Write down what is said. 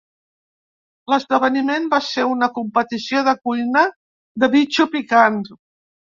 L'esdeveniment va ser una competició de cuina de bitxo picant.